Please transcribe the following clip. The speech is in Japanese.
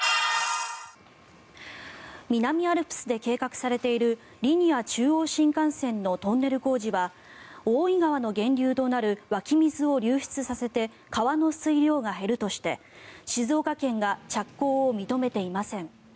南アルプスで計画されているリニア中央新幹線のトンネル工事は大井川の源流となる湧き水を流出させて川の水量が減るとして静岡県が着工を認めていません。